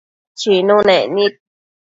Chinunec nid